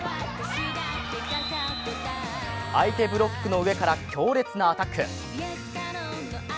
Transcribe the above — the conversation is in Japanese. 相手ブロックの上から強烈なアタック。